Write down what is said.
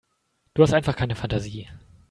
Du hast einfach keine Fantasie.